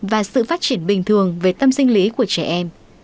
và sự phát triển bình thường về tâm sinh lý của trẻ em